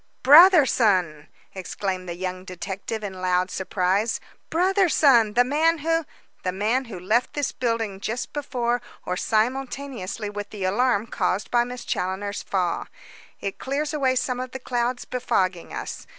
"Brotherson!" exclaimed the young detective in loud surprise. "Brotherson! The man who " "The man who left this building just before or simultaneously with the alarm caused by Miss Challoner's fall. It clears away some of the clouds befogging us.